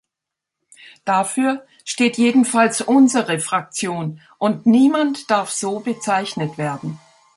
Dafür steht jedenfalls unsere Fraktion und niemand darf so bezeichnet werden.